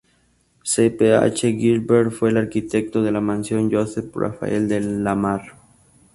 C. P. H. Gilbert fue el arquitecto de la Mansión Joseph Raphael De Lamar.